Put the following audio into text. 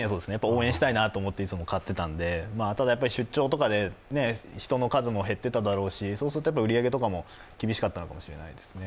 応援したいなと思っていつも買っていたので人の数も減っていただろうしそうすると売り上げとかも厳しかったかもしれないですね。